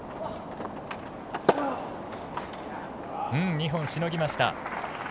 ２本、しのぎました。